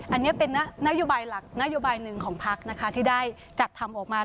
อันนี้เป็นนโยบายหนึ่งของพรรคที่ได้จัดทำออกมา